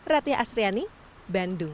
rathia asriani bandung